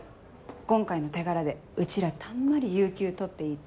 今回の手柄でうちらたんまり有休取っていいって。